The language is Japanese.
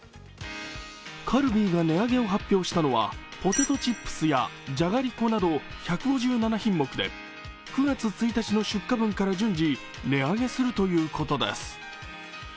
カルビーが値上げを発表したのはポテトチップスやじゃがりこなど１５７品目で９月１日の出荷分から順次値上げするということです。